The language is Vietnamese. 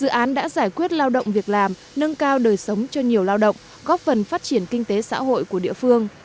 dự án đã giải quyết lao động việc làm nâng cao đời sống cho nhiều lao động góp phần phát triển kinh tế xã hội của địa phương